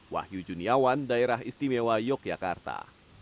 wahyu juniawan daerah istimewa yogyakarta